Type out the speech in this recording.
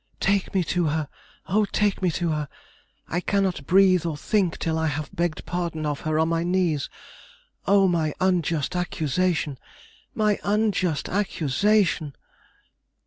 "Take me to her! Oh, take me to her! I cannot breathe or think till I have begged pardon of her on my knees. Oh, my unjust accusation! My unjust accusation!"